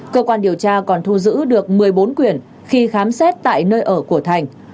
cơ quan điều tra còn thu giữ được một mươi bốn quyển khi khám xét tại nơi ở của thành